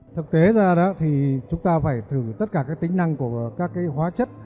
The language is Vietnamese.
thực tế ra đó thì chúng ta phải thử tất cả các tính năng của các hóa chất